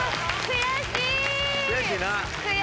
悔しいな。